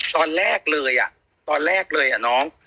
ตอนแรกเลยอ่ะตอนแรกเลยอ่ะน้อง